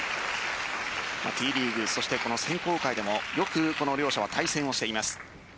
Ｔリーグこの選考会でもよくこの両者は対戦をしています。